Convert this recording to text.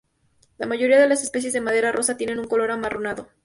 La mayoría de las especies de madera rosa tienen un color amarronado.